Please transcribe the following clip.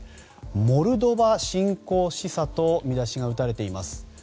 モルドバ侵攻示唆と見出しが打たれています。